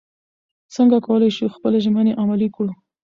څنګه کولی شو خپلې ژمنې عملي کړو؟